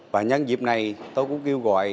và nhân dịp này tôi cũng kêu gọi